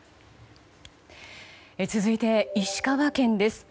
続いて、石川県です。